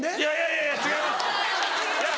いやいや違います！